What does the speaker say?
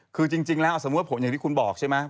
คือจริงแล้วอย่างที่คุณบอกใช่ไหม